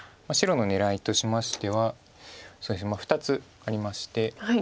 白の狙いとしましては２つありまして。